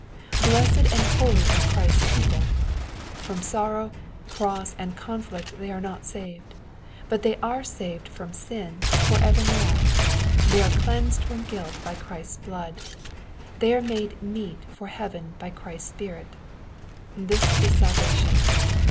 Blessed and holy are Christ's people I From sorrow, cross, and conflict they are not saved. But they are saved from sin for evermore. They are cleansed from guilt by Christ's blood. They are made meet for heaven by Christ's Spirit. This is salvation.